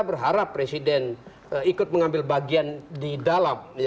berharap presiden ikut mengambil bagian di dalam